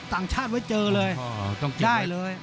ต่างชาติไว้เจอเลย